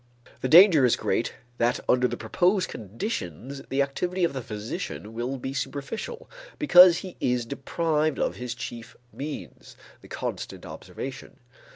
The danger is great that under the proposed conditions, the activity of the physician will be superficial, because he is deprived of his chief means, the constant observation.